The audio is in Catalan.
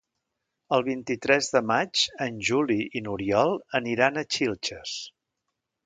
El vint-i-tres de maig en Juli i n'Oriol aniran a Xilxes.